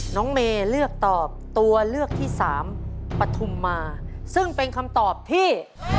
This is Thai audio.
น้องเมย์เลือกตอบตัวเลือกที่สามปฐุมมาซึ่งเป็นคำตอบที่